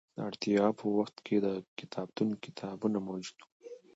د اړتیا په وخت به د کتابتون کتابونه موجود وو.